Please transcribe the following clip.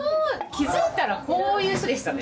気づいたらこういう人でしたね。